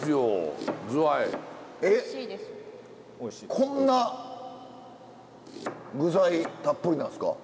こんな具材たっぷりなんですか？